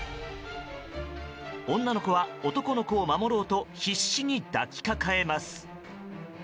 女の子は男の子を守ろうと必死に抱きかかえます。